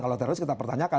kalau teroris kita pertanyakan